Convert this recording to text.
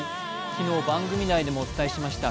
昨日番組内でもお伝えしました